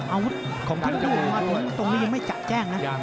แมนกลบสมัครตรงนี้ยังไม่จากแจ้งนะ